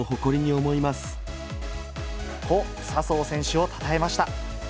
と、笹生選手をたたえました。